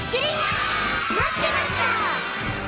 まってました！